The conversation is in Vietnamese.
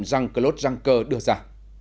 rằng claude juncker đưa ra